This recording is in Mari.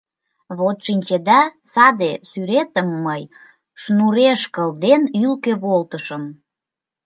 Вот, шинчеда, саде сӱретым мый, шнуреш кылден, ӱлкӧ волтышым.